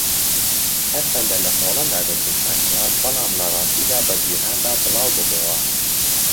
ھەرچەندە لە ھۆلەندا دەستنیشانکرا بەڵام لەڕاستیدا بە جیھاندا بڵاوببۆوە.